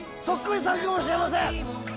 そっくりさんかもしれません。